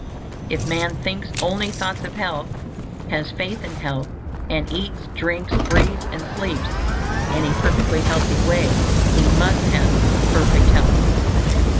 If man thinks only thoughts of health, has faith in health, and eats, drinks, breathes, and sleeps in a perfectly healthy way, he must have perfect health.